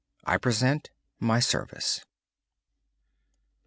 I present my service.